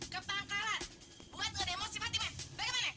ke pangkalan buat ngedemo si fatima bagaimana